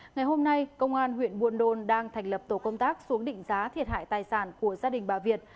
ngày hôm nay công an huyện buôn đôn đang thành lập tổ công tác xuống định giá thiệt hại tài sản của gia đình bà việt